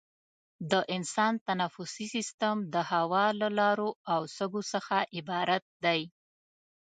د انسان تنفسي سیستم د هوا له لارو او سږو څخه عبارت دی.